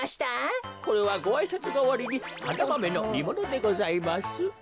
これはごあいさつがわりにハナマメのにものでございます。